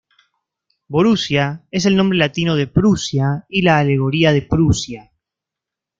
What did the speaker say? Borussia es el nombre latino de Prusia y la alegoría de Prusia.